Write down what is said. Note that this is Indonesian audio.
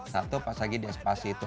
satu pas lagi di espasi itu